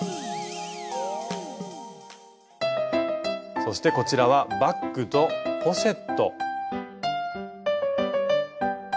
そしてこちらはバッグとポシェット。